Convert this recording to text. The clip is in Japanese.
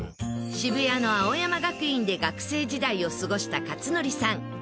渋谷の青山学院で学生時代を過ごした克典さん。